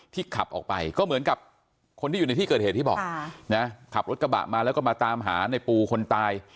ขับออกไปก็เหมือนกับคนที่อยู่ในที่เกิดเหตุที่บอกนะขับรถกระบะมาแล้วก็มาตามหาในปูคนตาย